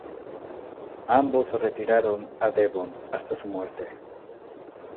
Ambos se retiraron a Devon hasta su muerte.